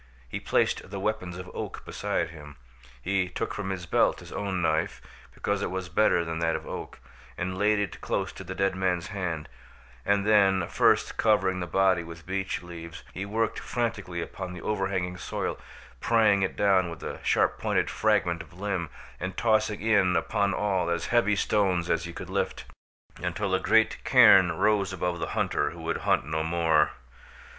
He placed the weapons of Oak beside him. He took from his belt his own knife, because it was better than that of Oak, and laid it close to the dead man's hand, and then, first covering the body with beech leaves, he worked frantically upon the overhanging soil, prying it down with a sharp pointed fragment of limb, and tossing in upon all as heavy stones as he could lift, until a great cairn rose above the hunter who would hunt no more.